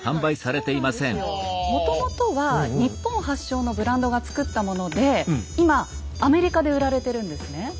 もともとは日本発祥のブランドが作ったもので今アメリカで売られてるんですね。